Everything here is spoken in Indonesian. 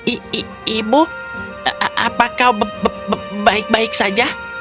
i ibu apakah b b baik baik saja